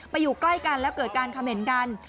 ไปอยู่ใกล้กันแล้วเกิดการคำเห็นกัน